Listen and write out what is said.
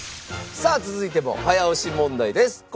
さあ続いても早押し問題です。